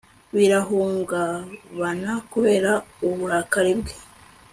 birahungabana kubera uburakari bwe